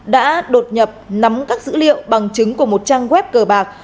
đã đột nhập nắm các dữ liệu bằng chứng của một trang web cờ bạc